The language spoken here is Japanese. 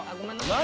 何？